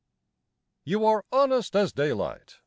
You are honest as daylight.